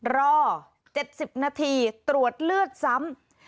รอ๗๐นาทีตรวจเลือดซ้ำ